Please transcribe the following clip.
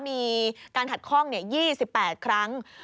มีการขัดคล่องเนี่ย๒๘ครั้ง